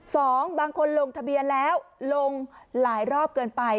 สองบางคนลงทะเบียนแล้วลงหลายรอบเกินไป